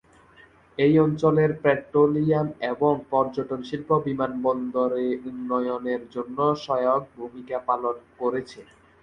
এ অঞ্চলের পেট্রোলিয়াম এবং পর্যটন শিল্প বিমানবন্দরে উন্নয়নের জন্য সহায়ক ভূমিকা পালন করেছে।